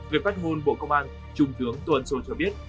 về phát ngôn bộ công an trung tướng tuấn sô cho biết